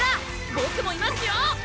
ボクもいますよ！